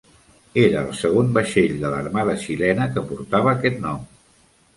Era el segon vaixell de l'armada xilena que portava aquest nom.